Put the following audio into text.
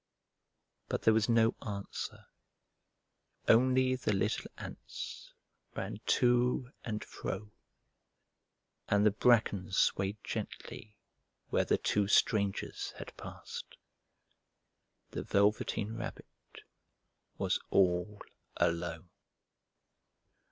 But there was no answer, only the little ants ran to and fro, and the bracken swayed gently where the two strangers had passed. The Velveteen Rabbit was all alone.